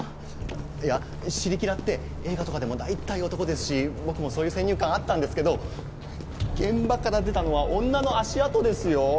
いやシリキラって映画とかでも大体男ですし僕もそういう先入観あったんですけど現場から出たのは女の足跡ですよ？